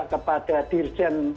kepada dirjen perhubungan